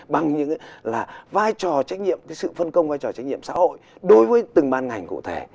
bằng những là vai trò trách nhiệm cái sự phân công vai trò trách nhiệm xã hội đối với từng ban ngành cụ thể